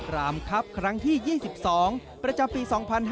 รามครับครั้งที่๒๒ประจำปี๒๕๕๙